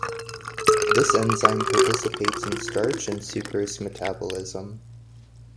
This enzyme participates in starch and sucrose metabolism.